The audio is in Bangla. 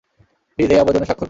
প্লিজ, এই আবেদনে স্বাক্ষর করো।